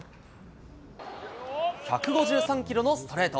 １５３キロのストレート。